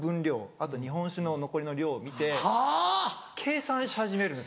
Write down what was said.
あと日本酒の残りの量を見て計算し始めるんですよね。